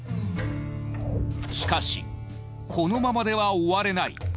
しかしこのままでは終われない。